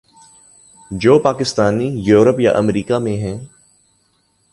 جو پاکستانی یورپ یا امریکا میں ہیں۔